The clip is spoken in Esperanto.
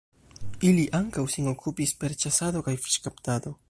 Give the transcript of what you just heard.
Ili ankaŭ sin okupis per ĉasado kaj fiŝkaptado.